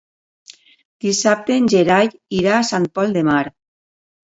Dissabte en Gerai irà a Sant Pol de Mar.